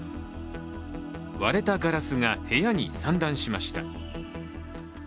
割れたガラスが部屋に散乱しました。